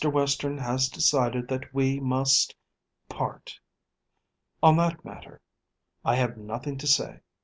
Western has decided that we must part. On that matter I have nothing to say.